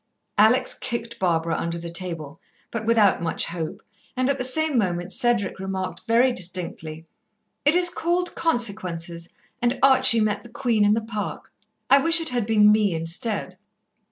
Alex kicked Barbara under the table, but without much hope, and at the same moment Cedric remarked very distinctly: "It is called Consequences, and Archie met the Queen in the Park. I wish it had been me instead."